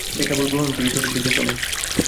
সে কেবল গ্রহণ করিত, কিছু দিত না।